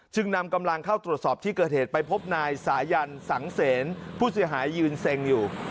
นำกำลังเข้าตรวจสอบที่เกิดเหตุไปพบนายสายันสังเสนผู้เสียหายยืนเซ็งอยู่